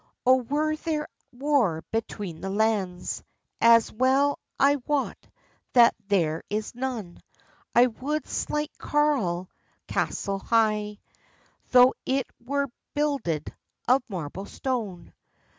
"O were there war between the lands, As well I wot that there is none, I would slight Carlisle castell high, Tho it were builded of marble stone.